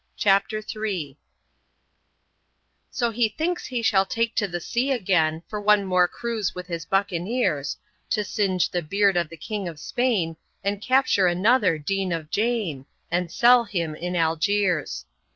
CHAPTER III So he thinks he shall take to the sea again For one more cruise with his buccaneers, To singe the beard of the King of Spain, And capture another Dean of Jaen And sell him in Algiers.